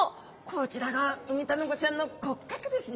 こちらがウミタナゴちゃんの骨格ですね。